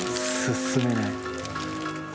進めない。